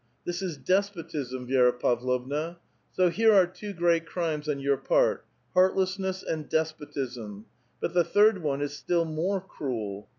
This is despotism, Vi^ra Pavlovna. So here are two great crimes on your part : heartlessness and despotism ! but the third one is still more cruel.